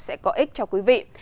sẽ có ích cho quý vị